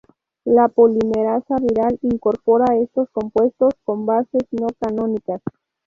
La polimerasa viral incorpora estos compuestos con bases no canónicas.